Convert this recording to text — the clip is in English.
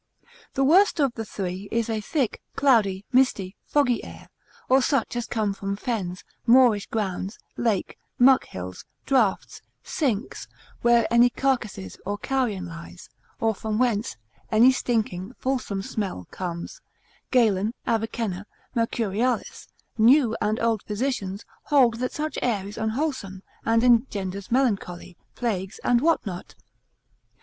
The worst of the three is a thick, cloudy, misty, foggy air, or such as come from fens, moorish grounds, lakes, muck hills, draughts, sinks, where any carcasses, or carrion lies, or from whence any stinking fulsome smell comes: Galen, Avicenna, Mercurialis, new and old physicians, hold that such air is unwholesome, and engenders melancholy, plagues, and what not?